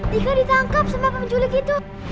dika ditangkap sama pemculik itu